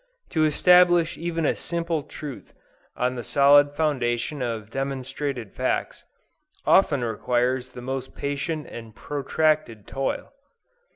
To establish even a simple truth, on the solid foundation of demonstrated facts, often requires the most patient and protracted toil.